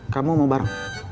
kamu mau bareng